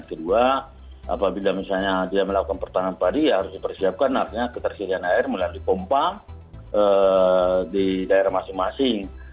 kedua apabila misalnya dia melakukan pertahanan padi ya harus dipersiapkan artinya ketersediaan air melalui pompa di daerah masing masing